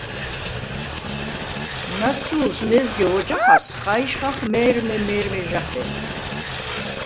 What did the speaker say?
ნაცუ̄ლს მეზგე ვოჯახარს ხაჲშხახ მე̄რმე-მე̄რმე ჟახე̄ლ.